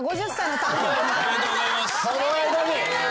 おめでとうございます。